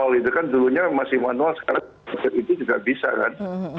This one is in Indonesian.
tol itu kan dulunya masih manual sekarang itu juga bisa kan